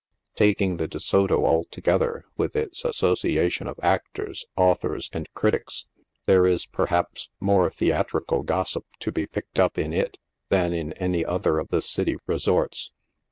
Taking the De Soto altogether, with its association of actors, authors and critics, there is, perhaps, more theatrical gossip to be picked up in it, than in any other of the city resorts.